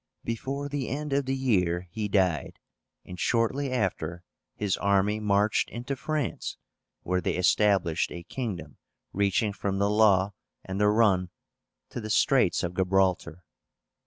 Before the end of the year he died, and shortly after his army marched into France, where they established a kingdom reaching from the Loire and the Rhone to the Straits of Gibraltar.